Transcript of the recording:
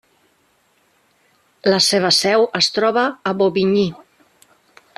La seva seu es troba a Bobigny.